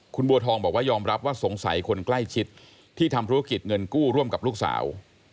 คุณบัวทองบอกว่ายอมรับว่าสงสัยคนใกล้ชิดที่ทำธุรกิจเงินกู้ร่วมกับลูกสาว